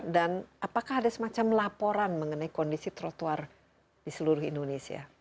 dan apakah ada semacam laporan mengenai kondisi trotoar di seluruh indonesia